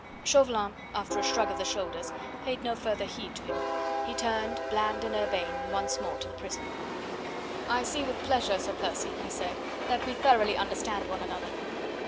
Chauvelin, after a shrug of the shoulders, paid no further heed to him; he turned, bland and urbane, once more to the prisoner. "I see with pleasure, Sir Percy," he said, "that we thoroughly understand one another.